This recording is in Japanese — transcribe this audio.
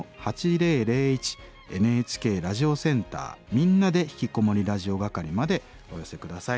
「みんなでひきこもりラジオ」係までお寄せ下さい。